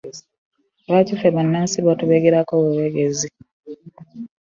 Lwaki ffe bannansi batubegerako bubegezi?